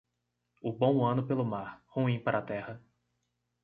O bom ano pelo mar, ruim para a terra.